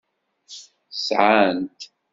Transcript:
Sɛan-t.